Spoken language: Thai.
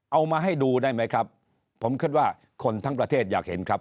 เอามาให้ดูได้ไหมครับผมคิดว่าคนทั้งประเทศอยากเห็นครับ